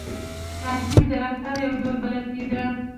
• تحصیل د رفتار یو ډول بلل کېده.